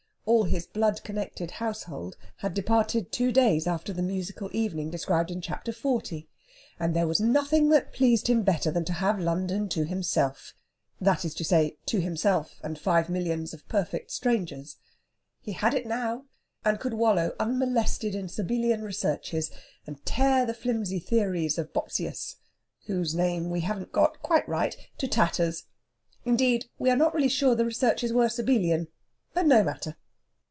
All his blood connected household had departed two days after the musical evening described in Chapter XL., and there was nothing that pleased him better than to have London to himself that is to say, to himself and five millions of perfect strangers. He had it now, and could wallow unmolested in Sabellian researches, and tear the flimsy theories of Bopsius whose name we haven't got quite right to tatters. Indeed, we are not really sure the researches were Sabellian. But no matter!